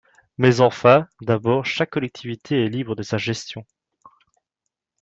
Mais enfin ! D’abord, chaque collectivité est libre de sa gestion.